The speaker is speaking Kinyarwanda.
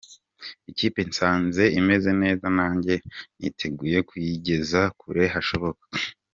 Ikipe nsanze imeze neza nanjye niteguye kuyigeza kure hashoboka.